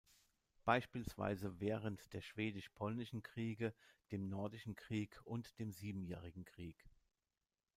Beispielsweise während der schwedisch-polnischen Kriege, dem Nordischen Krieg und dem Siebenjährigen Krieg.